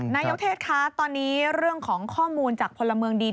นายกเทศคะตอนนี้เรื่องของข้อมูลจากพลเมืองดี